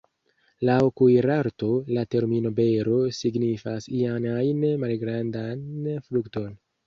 Laŭ kuirarto, la termino ""bero"" signifas ian ajn malgrandan frukton.